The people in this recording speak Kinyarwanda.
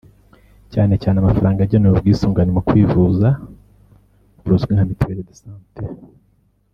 cyane cyane amafaranga agenewe ubwisungane mu kwivuza buzwi nka Mutuelle de Santé